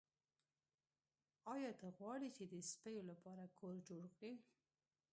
ایا ته غواړې چې د سپیو لپاره کور جوړ کړې